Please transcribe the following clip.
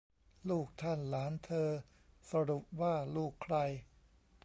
ลูกท่านหลานเธอ สรุปว่าลูกใคร